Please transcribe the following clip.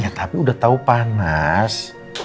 tapi udah tahu panas